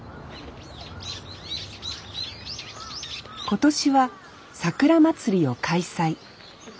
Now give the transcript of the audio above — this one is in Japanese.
今年はさくらまつりを開催。